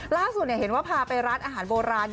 ล่าสุดเห็นว่าพาไปร้านอาหารโบราณ